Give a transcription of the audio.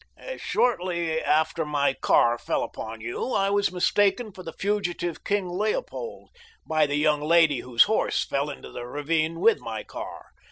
"Shortly after my car fell upon you I was mistaken for the fugitive King Leopold by the young lady whose horse fell into the ravine with my car.